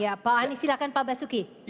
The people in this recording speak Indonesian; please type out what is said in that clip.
ya pak anies silahkan pak basuki